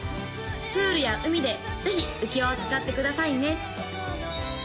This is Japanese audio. プールや海でぜひ浮輪を使ってくださいね